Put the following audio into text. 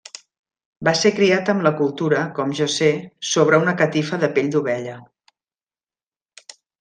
Va ser criat amb la cultura, com jo sé, sobre una catifa de pell d'ovella.